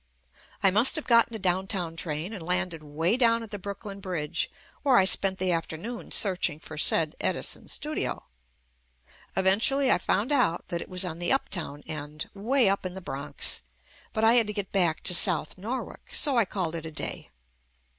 I must have gotten a downtown train and landed way down at the Brooklyn Bridge, where I spent the afternoon searching for said Edison Studio. Eventually I found out that it was on the uptown end, way up in the Bronx, but I had to get back to South Norwalk, so I called it a day.